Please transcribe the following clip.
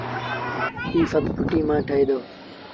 ايٚ سڀ ڦُٽيٚ مآݩ ٺهي دو